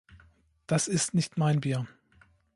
Das ist nicht mein Bier.